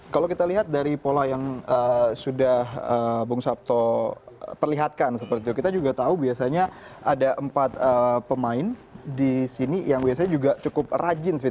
kalau kita lihat dari pola yang sudah bung sabto perlihatkan kita juga tahu biasanya ada empat pemain disini yang biasanya cukup rajin